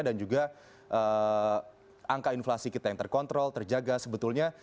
dan juga angka inflasi kita yang terkontrol terjaga sebetulnya